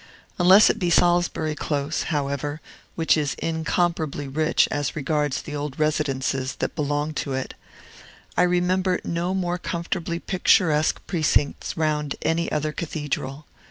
Unless it be Salisbury Close, however (which is incomparably rich as regards the old residences that belong to it), I remember no more comfortably picturesque precincts round any other cathedral.